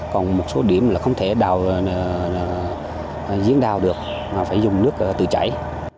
còn một số điểm là không thể diễn đào được phải dùng nước tự chảy